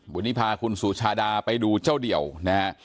วันนี้พาคุณสุชาดาไปดูเจ้าเดี่ยวนะฮะ